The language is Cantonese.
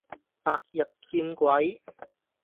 白日見鬼